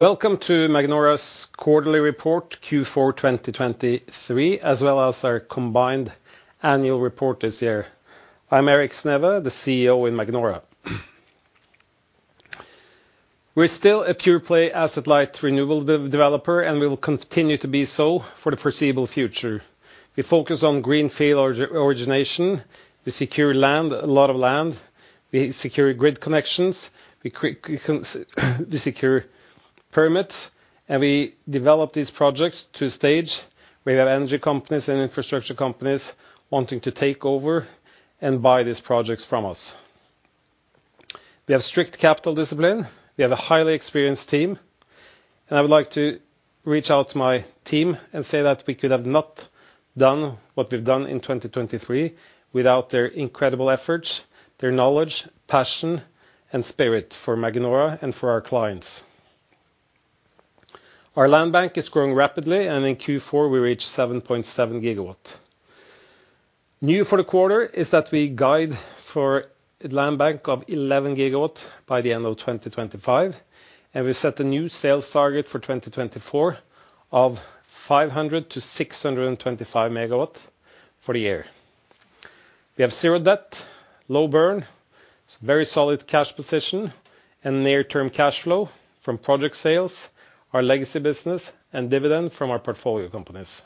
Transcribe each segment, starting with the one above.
Welcome to Magnora's quarterly report Q4 2023, as well as our combined annual report this year. I'm Erik Sneve, the CEO in Magnora. We're still a pure-play asset-light renewable developer, and we will continue to be so for the foreseeable future. We focus on greenfield origination. We secure land, a lot of land. We secure grid connections. We secure permits. And we develop these projects to a stage where we have energy companies and infrastructure companies wanting to take over and buy these projects from us. We have strict capital discipline. We have a highly experienced team. And I would like to reach out to my team and say that we could have not done what we've done in 2023 without their incredible efforts, their knowledge, passion, and spirit for Magnora and for our clients. Our land bank is growing rapidly, and in Q4 we reach 7.7 GW. New for the quarter is that we guide for land bank of 11 GW by the end of 2025, and we set a new sales target for 2024 of 500-625 MW for the year. We have zero debt, low burn, very solid cash position, and near-term cash flow from project sales, our legacy business, and dividend from our portfolio companies.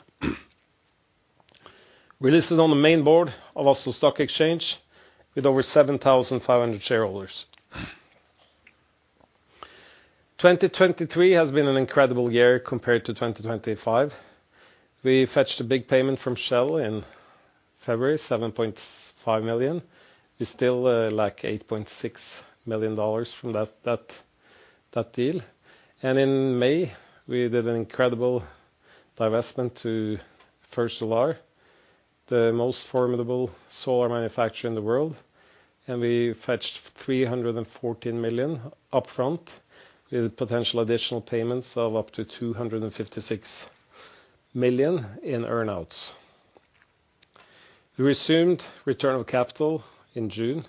We're listed on the main board of Oslo Stock Exchange with over 7,500 shareholders. 2023 has been an incredible year compared to 2025. We fetched a big payment from Shell in February $7.5 million. We still lack $8.6 million from that deal. And in May, we did an incredible divestment to First Solar, the most formidable solar manufacturer in the world. And we fetched $314 million upfront with potential additional payments of up to $256 million in earnouts. We resumed return of capital in June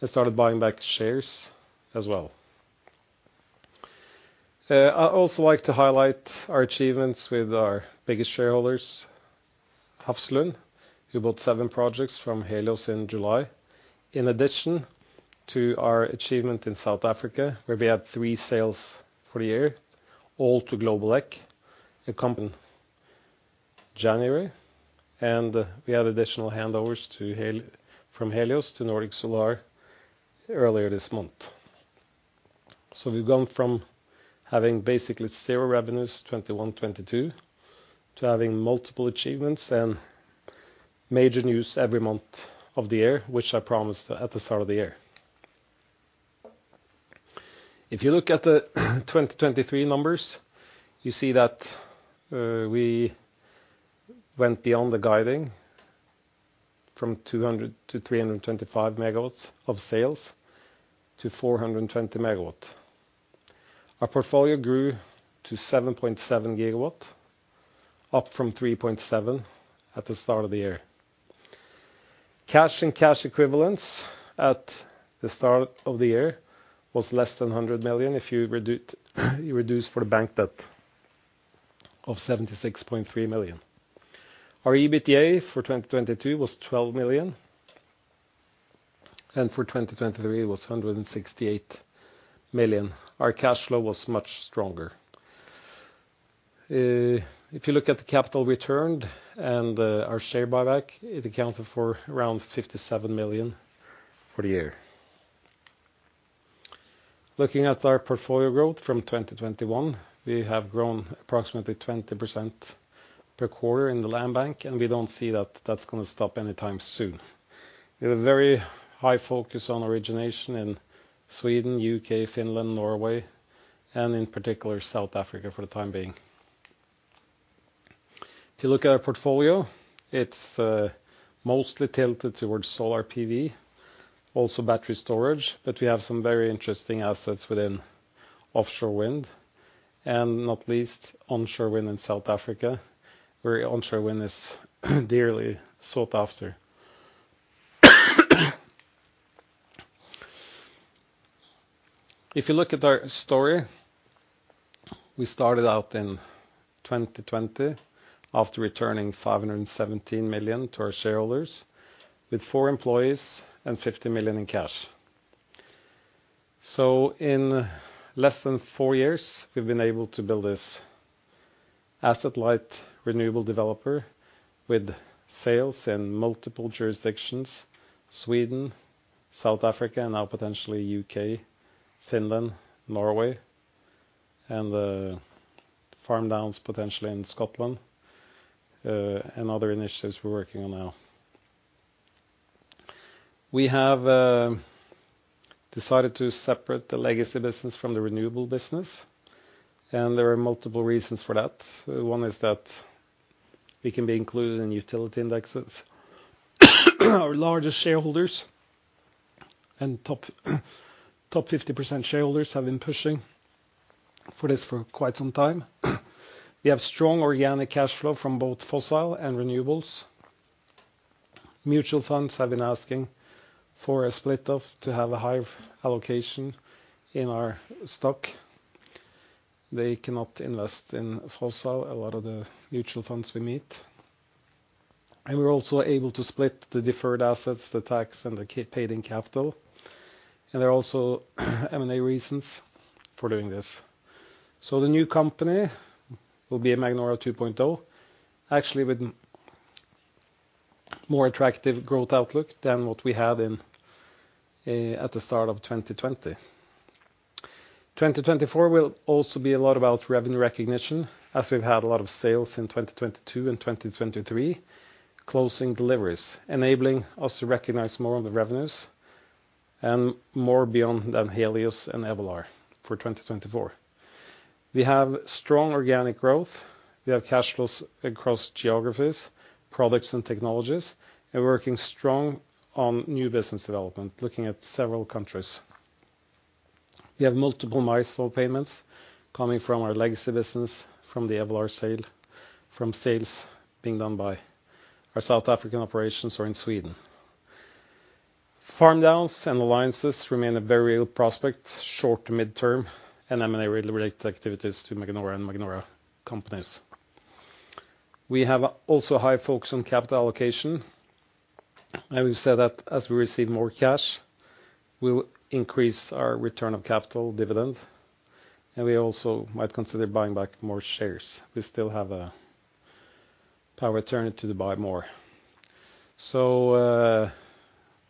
and started buying back shares as well. I'd also like to highlight our achievements with our biggest shareholders, Hafslund, who bought seven projects from Helios in July, in addition to our achievement in South Africa, where we had three sales for the year, all to Globeleq, a company in January. We had additional handovers from Helios to Nordic Solar earlier this month. So we've gone from having basically zero revenues 2021-2022 to having multiple achievements and major news every month of the year, which I promised at the start of the year. If you look at the 2023 numbers, you see that we went beyond the guiding from 200 to 325 MW of sales to 420 MW. Our portfolio grew to 7.7 GW, up from 3.7 GW at the start of the year. Cash and cash equivalents at the start of the year was less than 100 million if you reduce for the bank debt of 76.3 million. Our EBITDA for 2022 was 12 million, and for 2023, it was 168 million. Our cash flow was much stronger. If you look at the capital returned and our share buyback, it accounted for around 57 million for the year. Looking at our portfolio growth from 2021, we have grown approximately 20% per quarter in the land bank, and we don't see that that's going to stop anytime soon. We have a very high focus on origination in Sweden, U.K., Finland, Norway, and in particular South Africa for the time being. If you look at our portfolio, it's mostly tilted towards solar PV, also battery storage, but we have some very interesting assets within offshore wind, and not least, onshore wind in South Africa, where onshore wind is dearly sought after. If you look at our story, we started out in 2020 after returning 517 million to our shareholders with four employees and 50 million in cash. So in less than four years, we've been able to build this asset-light renewable developer with sales in multiple jurisdictions: Sweden, South Africa, and now potentially U.K., Finland, Norway, and farm downs potentially in Scotland and other initiatives we're working on now. We have decided to separate the legacy business from the renewable business, and there are multiple reasons for that. One is that we can be included in utility indexes. Our largest shareholders and top 50% shareholders have been pushing for this for quite some time. We have strong organic cash flow from both fossil and renewables. Mutual funds have been asking for a split-off to have a higher allocation in our stock. They cannot invest in fossil, a lot of the mutual funds we meet. We're also able to split the deferred assets, the tax, and the paid-in capital. There are also M&A reasons for doing this. The new company will be a Magnora 2.0, actually with more attractive growth outlook than what we had at the start of 2020. 2024 will also be a lot about revenue recognition, as we've had a lot of sales in 2022 and 2023, closing deliveries, enabling us to recognize more of the revenues and more beyond than Helios and Evolar for 2024. We have strong organic growth. We have cash flows across geographies, products, and technologies. And we're working strong on new business development, looking at several countries. We have multiple milestone payments coming from our legacy business, from the Evolar sale, from sales being done by our South African operations or in Sweden. Farm downs and alliances remain a very real prospect short to mid-term and M&A-related activities to Magnora and Magnora companies. We have also a high focus on capital allocation. And we've said that as we receive more cash, we'll increase our return of capital, dividend. And we also might consider buying back more shares. We still have a power to buy more. So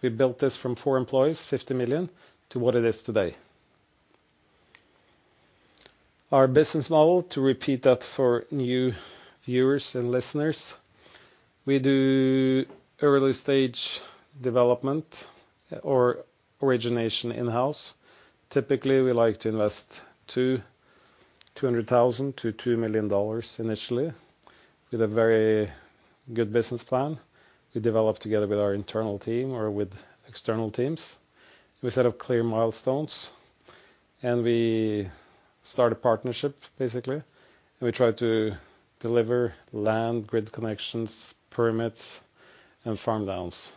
we built this from four employees, 50 million, to what it is today. Our business model, to repeat that for new viewers and listeners, we do early-stage development or origination in-house. Typically, we like to invest $200,000-$2 million initially with a very good business plan we develop together with our internal team or with external teams. We set up clear milestones, and we start a partnership, basically. We try to deliver land, grid connections, permits, and farm downs.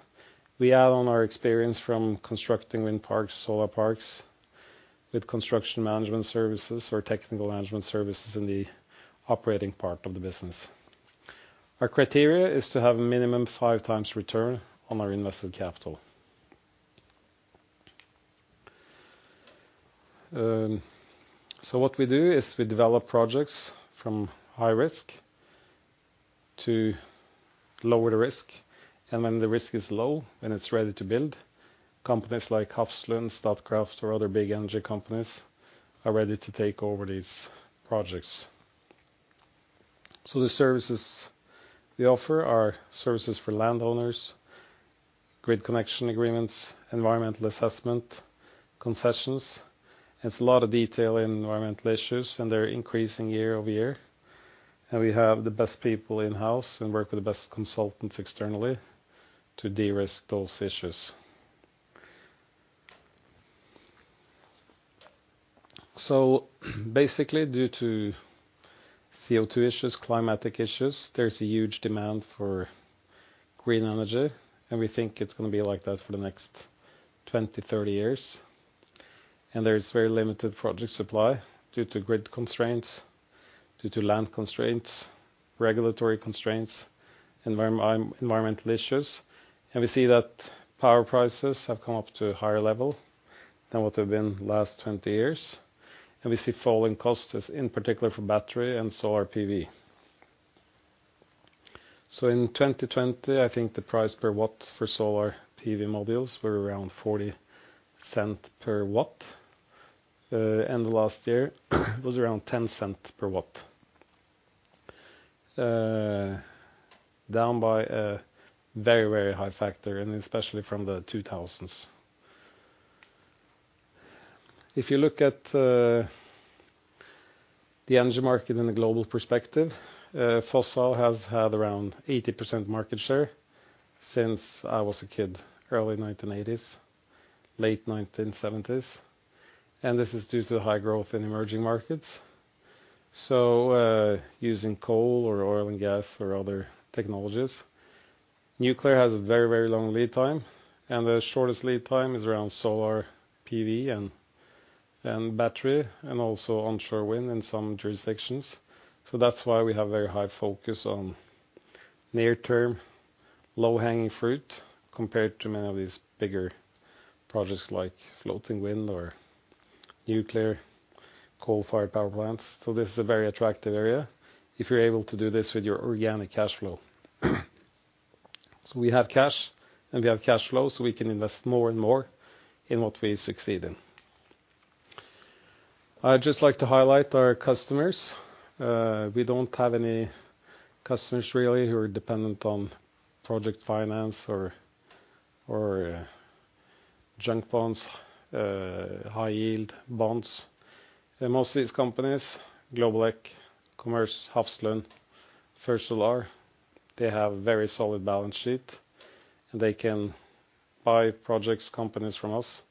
We add on our experience from constructing wind parks, solar parks, with construction management services or technical management services in the operating part of the business. Our criteria is to have a minimum five times return on our invested capital. So what we do is we develop projects from high risk to lower the risk. And when the risk is low, when it's ready to build, companies like Hafslund, Statkraft, or other big energy companies are ready to take over these projects. So the services we offer are services for landowners, grid connection agreements, environmental assessment, concessions. It's a lot of detail in environmental issues, and they're increasing year over year. We have the best people in-house and work with the best consultants externally to de-risk those issues. So basically, due to CO2 issues, climatic issues, there's a huge demand for green energy. We think it's going to be like that for the next 20-30 years. There's very limited project supply due to grid constraints, due to land constraints, regulatory constraints, environmental issues. We see that power prices have come up to a higher level than what they've been the last 20 years. We see falling costs, in particular for battery and solar PV. So in 2020, I think the price per watt for solar PV modules were around $0.40 per W. The last year was around $0.10 per W, down by a very, very high factor, and especially from the 2000s. If you look at the energy market in a global perspective, fossil has had around 80% market share since I was a kid, early 1980s, late 1970s. This is due to the high growth in emerging markets. So using coal or oil and gas or other technologies, nuclear has a very, very long lead time. The shortest lead time is around solar PV and battery and also onshore wind in some jurisdictions. So that's why we have a very high focus on near-term, low-hanging fruit compared to many of these bigger projects like floating wind or nuclear, coal-fired power plants. So this is a very attractive area if you're able to do this with your organic cash flow. So we have cash, and we have cash flow, so we can invest more and more in what we succeed in. I'd just like to highlight our customers. We don't have any customers, really, who are dependent on project finance or junk bonds, high-yield bonds. Most of these companies, Globeleq, Commerz, Hafslund, First Solar, they have a very solid balance sheet. And they can buy projects, companies from us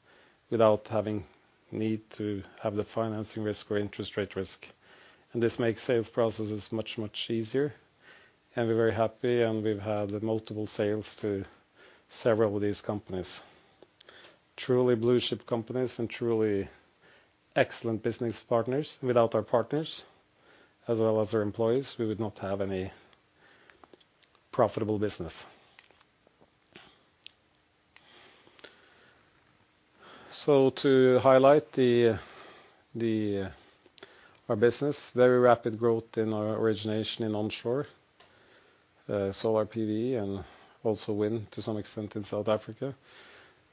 without having need to have the financing risk or interest rate risk. And this makes sales processes much, much easier. And we're very happy, and we've had multiple sales to several of these companies, truly blue-chip companies and truly excellent business partners. Without our partners, as well as our employees, we would not have any profitable business. So to highlight our business, very rapid growth in our origination in onshore, solar PV, and also wind to some extent in South Africa.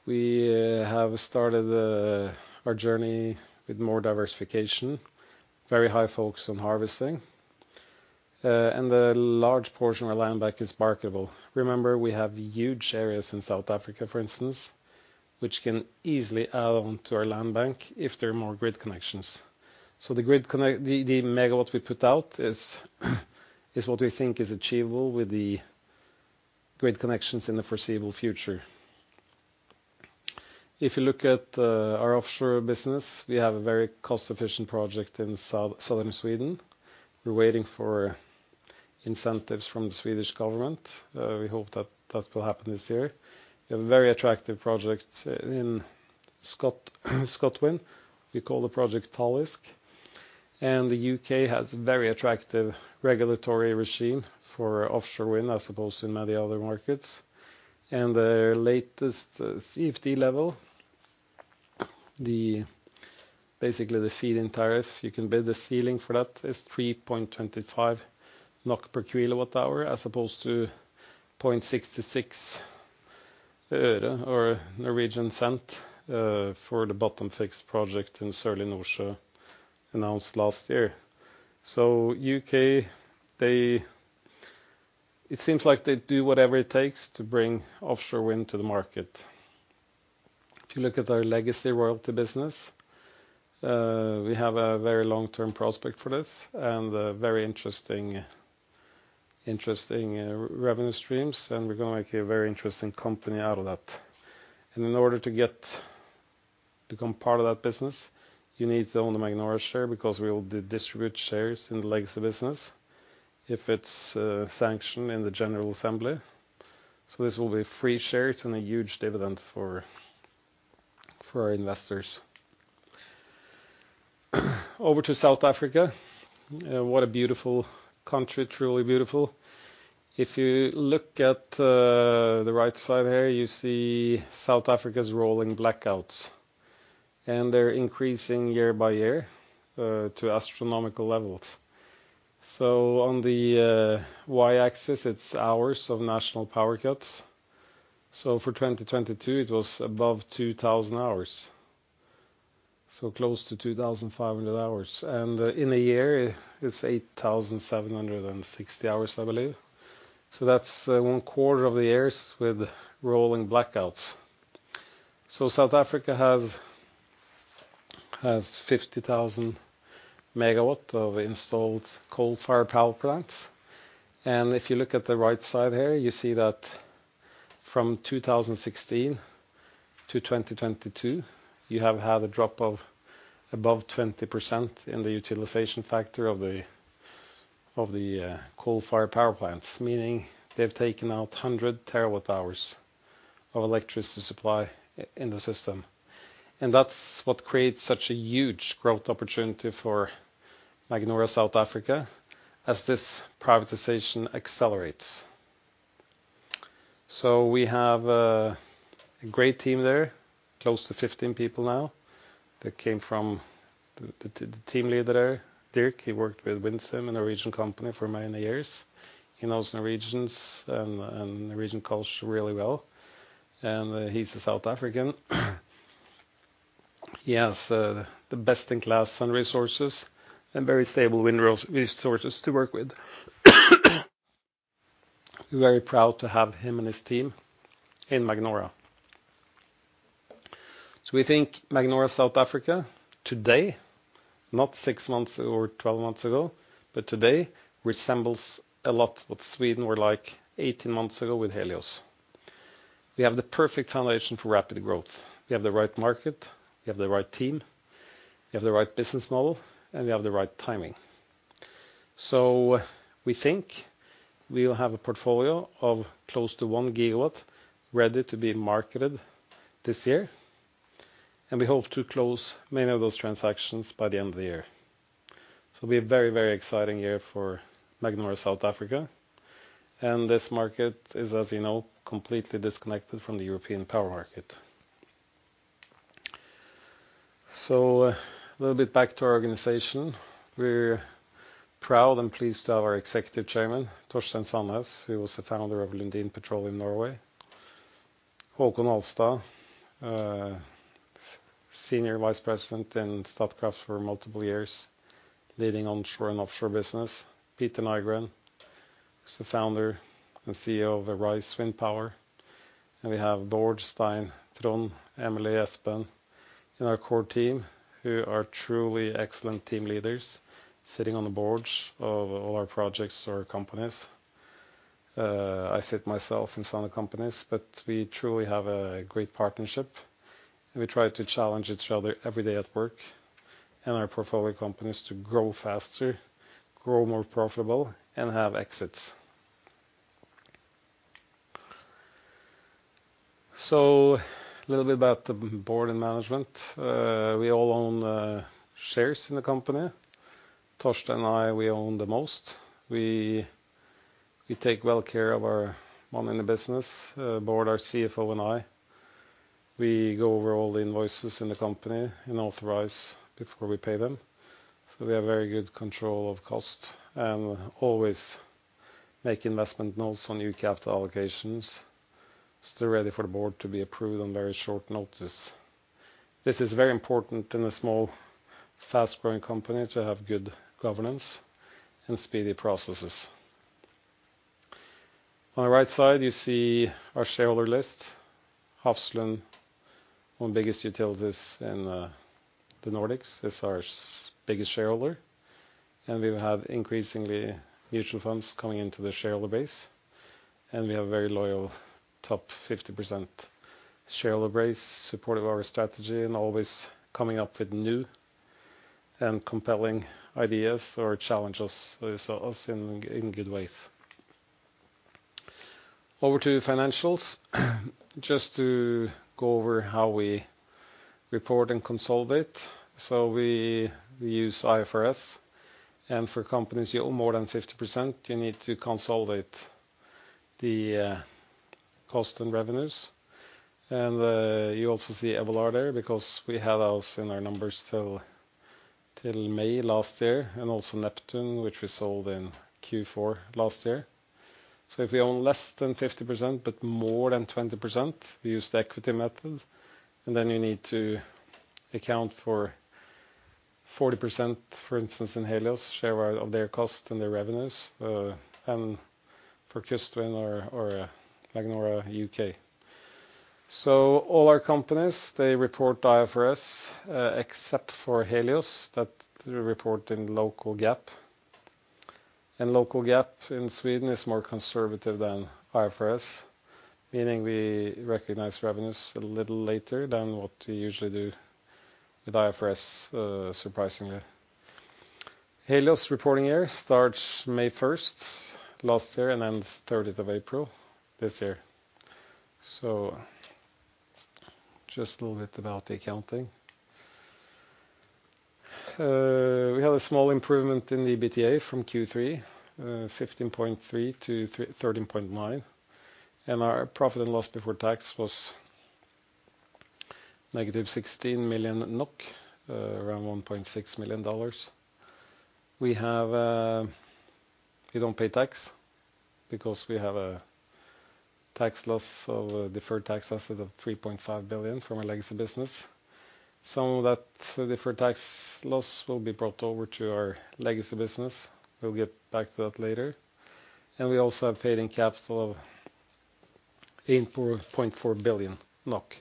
We have started our journey with more diversification, very high focus on harvesting. A large portion of our land bank is bankable. Remember, we have huge areas in South Africa, for instance, which can easily add on to our land bank if there are more grid connections. The MW we put out is what we think is achievable with the grid connections in the foreseeable future. If you look at our offshore business, we have a very cost-efficient project in southern Sweden. We're waiting for incentives from the Swedish government. We hope that that will happen this year. We have a very attractive project in Scotland. We call the project Talisk. The U.K. has a very attractive regulatory regime for offshore wind as opposed to many other markets. And the latest CFD level, basically the feed-in tariff, you can bid the ceiling for that is 3.25 NOK per kWh as opposed to 0.66 øre or Norwegian cent for the bottom-fixed project in Sørlige Nordsjø announced last year. So, U.K., it seems like they do whatever it takes to bring offshore wind to the market. If you look at our legacy royalty business, we have a very long-term prospect for this and very interesting revenue streams. And we're going to make a very interesting company out of that. And in order to become part of that business, you need to own the Magnora share because we will distribute shares in the legacy business if it's sanctioned in the general assembly. So this will be free shares and a huge dividend for our investors. Over to South Africa. What a beautiful country, truly beautiful. If you look at the right side here, you see South Africa's rolling blackouts. They're increasing year by year to astronomical levels. On the y-axis, it's hours of national power cuts. For 2022, it was above 2,000 hours, so close to 2,500 hours. In a year, it's 8,760 hours, I believe. That's one quarter of the years with rolling blackouts. South Africa has 50,000 megawatt of installed coal-fired power plants. If you look at the right side here, you see that from 2016 to 2022, you have had a drop of above 20% in the utilization factor of the coal-fired power plants, meaning they've taken out 100 TWh of electricity supply in the system. That's what creates such a huge growth opportunity for Magnora South Africa as this privatization accelerates. So we have a great team there, close to 15 people now that came from the team leader there, Dirk. He worked with Windsim, a Norwegian company, for many years. He knows Norwegians and Norwegian culture really well. And he's a South African. He has the best-in-class sun resources and very stable wind resources to work with. We're very proud to have him and his team in Magnora. So we think Magnora South Africa today, not six months or 12 months ago, but today, resembles a lot what Sweden were like 18 months ago with Helios. We have the perfect foundation for rapid growth. We have the right market. We have the right team. We have the right business model. And we have the right timing. So we think we'll have a portfolio of close to one GW ready to be marketed this year. We hope to close many of those transactions by the end of the year. So we have a very, very exciting year for Magnora South Africa. And this market is, as you know, completely disconnected from the European power market. So a little bit back to our organization. We're proud and pleased to have our Executive Chairman, Torstein Sanness, who was the founder of Lundin Petroleum Norway, Haakon Alfstad, Senior Vice President in Statkraft for multiple years, leading onshore and offshore business, Peter Nygren, who's the Founder and CEO of Arise Wind Power. And we have George, Stein, Trond, Emilie, Espen in our core team, who are truly excellent team leaders sitting on the boards of all our projects or companies. I sit myself inside the companies. But we truly have a great partnership. We try to challenge each other every day at work and our portfolio companies to grow faster, grow more profitable, and have exits. A little bit about the board and management. We all own shares in the company. Torstein and I, we own the most. We take well care of our money in the business, board, our CFO, and I. We go over all the invoices in the company and authorize before we pay them. We have very good control of cost and always make investment notes on new capital allocations so they're ready for the board to be approved on very short notice. This is very important in a small, fast-growing company to have good governance and speedy processes. On the right side, you see our shareholder list. Hafslund, one of the biggest utilities in the Nordics, is our biggest shareholder. And we have increasingly mutual funds coming into the shareholder base. And we have a very loyal top 50% shareholder base supportive of our strategy and always coming up with new and compelling ideas or challenges us in good ways. Over to financials, just to go over how we report and consolidate. So we use IFRS. And for companies you own more than 50%, you need to consolidate the cost and revenues. And you also see Evolar there because we had us in our numbers till May last year and also Neptune, which we sold in Q4 last year. So if we own less than 50% but more than 20%, we use the equity method. And then you need to account for 40%, for instance, in Helios, share of their cost and their revenues and for Kustvind or Magnora UK. All our companies, they report IFRS except for Helios that reports in local GAAP. Local GAAP in Sweden is more conservative than IFRS, meaning we recognize revenues a little later than what we usually do with IFRS, surprisingly. Helios reporting year starts May 1st last year and ends 30th of April this year. Just a little bit about the accounting. We had a small improvement in the EBITDA from Q3, 15.3 to 13.9. Our profit and loss before tax was -16 million NOK, around $1.6 million. We don't pay tax because we have a tax loss of a deferred tax asset of 3.5 billion from our legacy business. Some of that deferred tax loss will be brought over to our legacy business. We'll get back to that later. We also have paid-in capital of 8.4 billion NOK.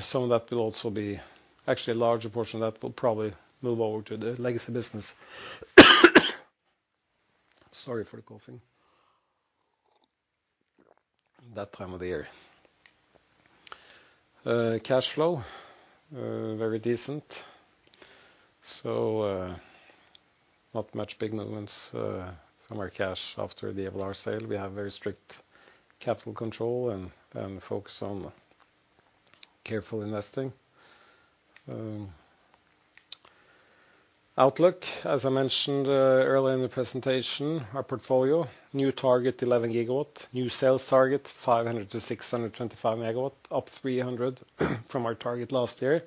Some of that will also be actually, a larger portion of that will probably move over to the legacy business. Sorry for the coughing that time of the year. Cash flow, very decent. So not much big movements from our cash after the Evolar sale. We have very strict capital control and focus on careful investing. Outlook, as I mentioned earlier in the presentation, our portfolio, new target 11 GW, new sales target 500 MW-625 MW, up 300 from our target last year.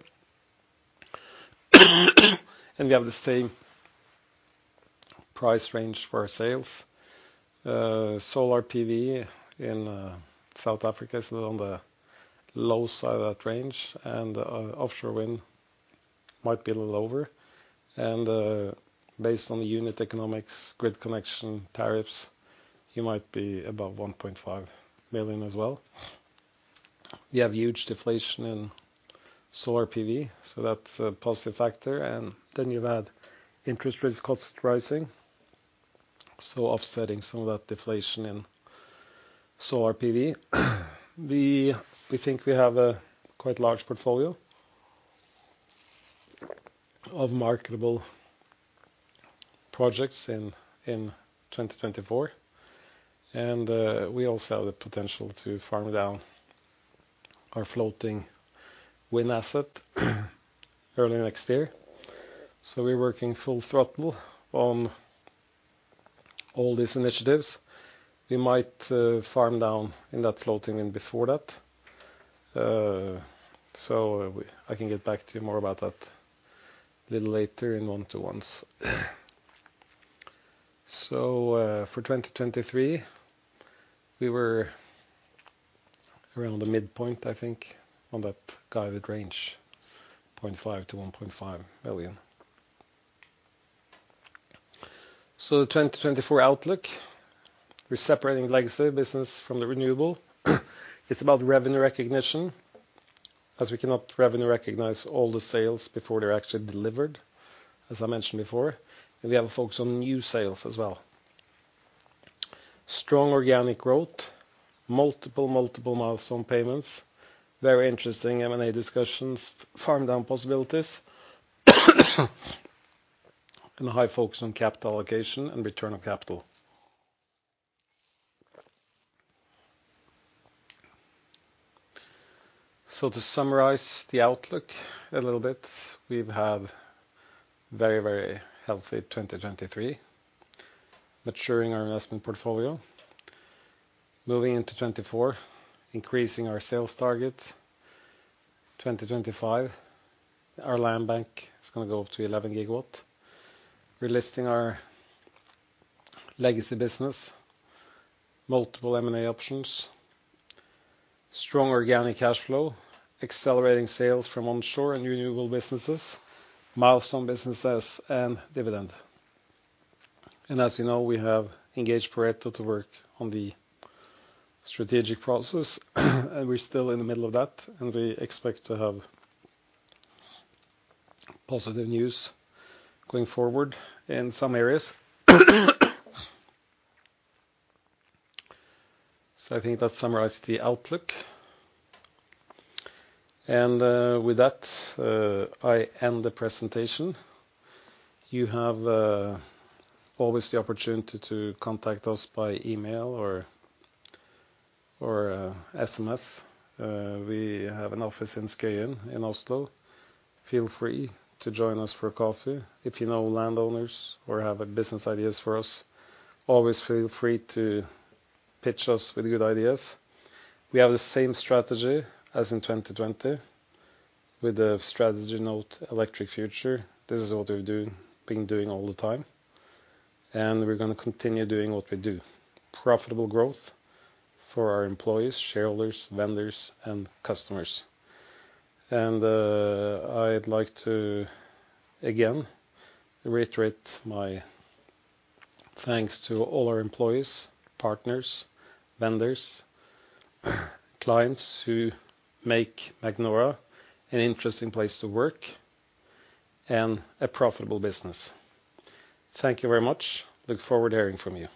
And we have the same price range for our sales. Solar PV in South Africa is a little on the low side of that range. And offshore wind might be a little over. And based on the unit economics, grid connection tariffs, you might be above 1.5 million as well. We have huge deflation in solar PV. So that's a positive factor. Then you've had interest rate costs rising. Offsetting some of that deflation in solar PV. We think we have a quite large portfolio of marketable projects in 2024. We also have the potential to farm down our floating wind asset early next year. We're working full throttle on all these initiatives. We might farm down in that floating wind before that. I can get back to you more about that a little later in one-to-ones. For 2023, we were around the midpoint, I think, on that guided range, NOK 0.5 million-NOK 1.5 million. The 2024 outlook, we're separating legacy business from the renewable. It's about revenue recognition as we cannot revenue recognize all the sales before they're actually delivered, as I mentioned before. We have a focus on new sales as well. Strong organic growth, multiple, multiple milestone payments, very interesting M&A discussions, farm down possibilities, and a high focus on capital allocation and return on capital. So to summarize the outlook a little bit, we've had a very, very healthy 2023, maturing our investment portfolio, moving into 2024, increasing our sales target. 2025, our land bank is going to go up to 11 GW. Releasing our legacy business, multiple M&A options, strong organic cash flow, accelerating sales from onshore and renewable businesses, milestone businesses, and dividend. And as you know, we have engaged Pareto to work on the strategic process. And we're still in the middle of that. And we expect to have positive news going forward in some areas. So I think that summarizes the outlook. And with that, I end the presentation. You have always the opportunity to contact us by email or SMS. We have an office in Skøyen in Oslo. Feel free to join us for a coffee. If you know landowners or have business ideas for us, always feel free to pitch us with good ideas. We have the same strategy as in 2020 with the strategy note, electric future. This is what we've been doing all the time. And we're going to continue doing what we do, profitable growth for our employees, shareholders, vendors, and customers. And I'd like to, again, reiterate my thanks to all our employees, partners, vendors, clients who make Magnora an interesting place to work and a profitable business. Thank you very much. Look forward to hearing from you.